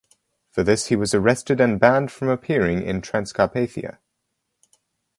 For this he was arrested and banned from appearing in Transcarpathia.